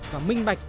và minh bạch